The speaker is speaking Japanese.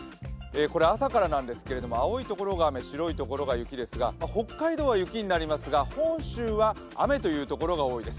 朝からなんですけれども、青いところが雨、白いところが雪なんですけれども北海道は雪になりますが本州は雨というところが多いです。